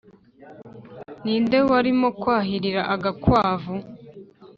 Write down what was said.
ni nde warimo kwahirira agakwavu ?